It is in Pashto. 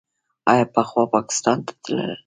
آیا پخوا پاکستان ته تلل؟